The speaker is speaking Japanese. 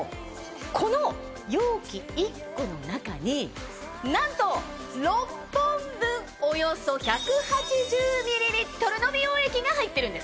この容器１個の中になんと６本分およそ１８０ｍの美容液が入ってるんです。